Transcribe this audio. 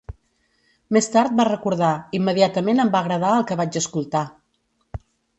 Més tard va recordar: Immediatament em va agradar el que vaig escoltar.